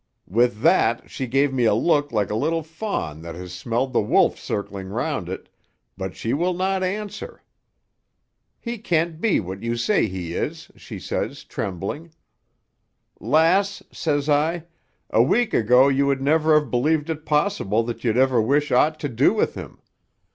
"With that she gave me a look like a little fawn that has smelled the wolf circling 'round it, but she will not answer. 'He can't be what you say he is,' she says, trembling. 'Lass,' says I, 'a week ago you would never have believed it possible that you'd ever wish aught to do with him.